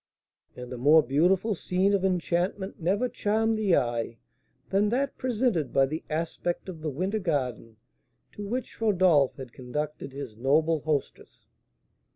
And a more beautiful scene of enchantment never charmed the eye than that presented by the aspect of the winter garden, to which Rodolph had conducted his noble hostess.